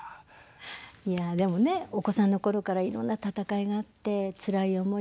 いやでもねお子さんの頃からいろんな闘いがあってつらい思い